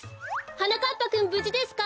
はなかっぱくんぶじですか？